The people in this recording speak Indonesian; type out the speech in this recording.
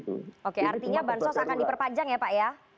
oke artinya bansos akan diperpanjang ya pak ya